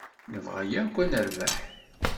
Nebɣa akk ad nerbeḥ.